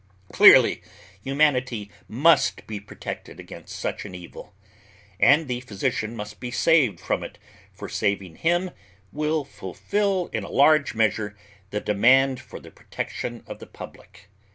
Clearly humanity must be protected against such an evil. And the physician must be saved from it, for saving him will fulfil in a large measure the demand for the protection of the public.